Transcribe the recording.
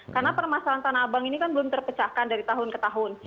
karena permasalahan tanah abang ini kan belum terpecahkan dari tahun ke tahun